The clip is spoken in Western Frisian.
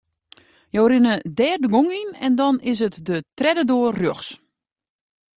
Jo rinne dêr de gong yn en dan is it de tredde doar rjochts.